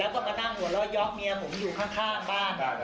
แล้วก็มานั่งหัวเราะย้อมเมียผมอยู่ข้างบ้าน